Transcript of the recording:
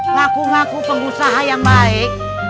ngaku ngaku pengusaha yang baik